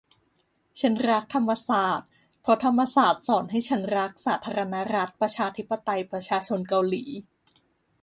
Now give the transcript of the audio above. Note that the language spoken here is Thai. ฉันรักธรรมศาสตร์ เพราะธรรมศาสตร์สอนให้ฉันรักสาธารณรัฐประชาธิปไตยประชาชนเกาหลี